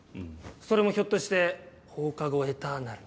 それもひょっとして『放課後エターナル』？